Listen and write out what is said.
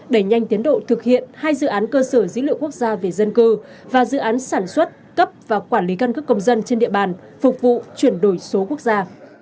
đẩy nhanh tiến độ thực hiện hai dự án cơ sở dữ liệu quốc gia về dân cư và dự án sản xuất cấp và quản lý căn cước công dân trên địa bàn phục vụ chuyển đổi số quốc gia